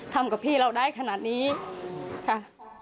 ทำกับพี่เราได้ขนาดนี้ค่ะ